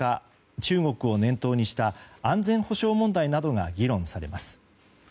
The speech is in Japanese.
中国を念頭にした安全保障問題などが議論されます。